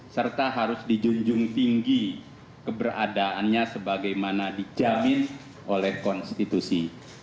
serta harus dijunjung tinggi keberadaannya sebagaimana dijamin oleh konstitusi